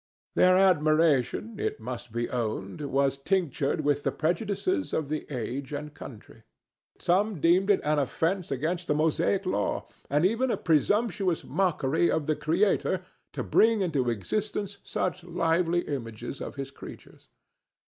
Their admiration, it must be owned, was tinctured with the prejudices of the age and country. Some deemed it an offence against the Mosaic law, and even a presumptuous mockery of the Creator, to bring into existence such lively images of his creatures.